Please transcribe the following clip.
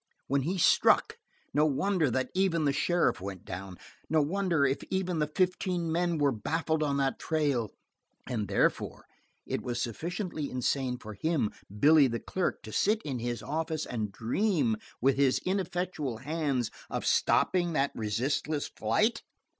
When he struck, no wonder that even the sheriff went down; no wonder if even the fifteen men were baffled on that trail; and therefore, it was sufficiently insane for him, Billy the clerk, to sit in his office and dream with his ineffectual hands of stopping that resistless flight.